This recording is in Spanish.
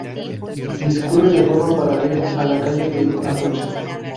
Discurre de forma paralela a la calle de Atocha.